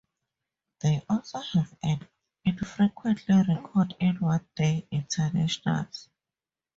They also have an infrequent record in One Day Internationals.